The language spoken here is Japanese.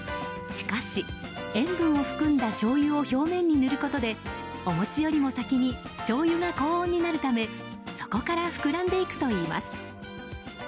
しかし、塩分を含んだしょうゆを表面に塗ることでお餅よりも先にしょうゆが高温になるためそこから膨らんでいくといいます。